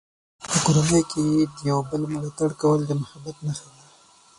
په کورنۍ کې د یو بل ملاتړ کول د محبت نښه ده.